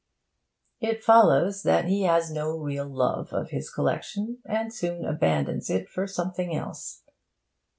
It follows that he has no real love of his collection and soon abandons it for something else.